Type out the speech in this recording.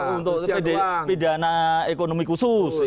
untuk pidana ekonomi khusus